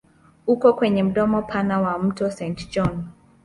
Uko kwenye mdomo mpana wa mto Saint John.